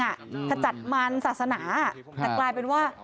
จะจัดมันศาสนาแต่กลายเป็นว่า